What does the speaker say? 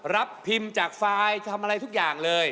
รับพิมพ์จากไฟล์ทำอะไรทุกอย่างเลย